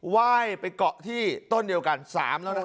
ว่ายไปเกาะที่ต้นเดียวกัน๓แล้วนะ